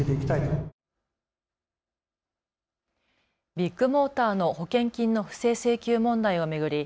ビッグモーターの保険金の不正請求問題を巡り